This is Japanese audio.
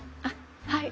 はい。